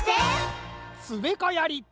つべかやり！